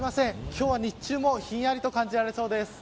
今日は日中もひんやりと感じられそうです。